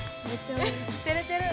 てれてる。